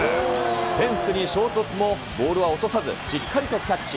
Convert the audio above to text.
フェンスに衝突も、ボールは落とさず、しっかりとキャッチ。